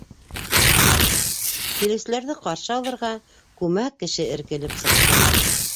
Килеүселәрҙе ҡаршы алырға күмәк кеше эркелеп сыҡты.